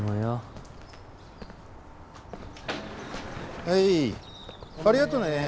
はいありがとね。